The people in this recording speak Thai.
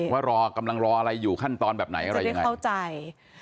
ว่ากำลังรออะไรอยู่ขั้นตอนแบบไหนจะได้เข้าใจ